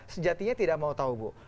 sejatinya tidak mau tahu